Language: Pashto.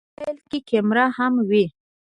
موبایل کې کیمره هم وي.